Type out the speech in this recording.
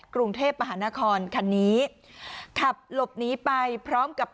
กรุงเทพมหานครคันนี้ขับหลบหนีไปพร้อมกับ